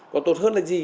có tốt hơn là gì